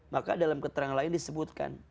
maka dalam keterangan lain disebutkan